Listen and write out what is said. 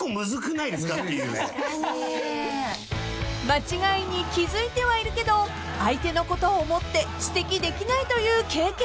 ［間違いに気付いてはいるけど相手のことを思って指摘できないという経験